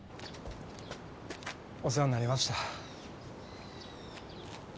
お世話になりました。